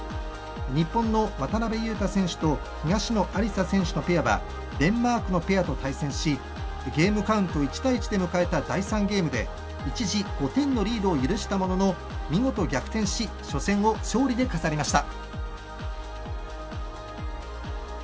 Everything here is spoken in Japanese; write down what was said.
日本の渡辺勇大選手と東野有紗選手のペアはデンマークのペアと対戦しゲームカウント１対１で迎えた第３ゲームで一時５点のリードを許したものの見事、逆転し初戦を勝利で飾りました。